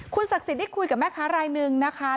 ศักดิ์สิทธิ์ได้คุยกับแม่ค้ารายหนึ่งนะคะ